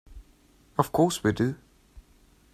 Of course we do.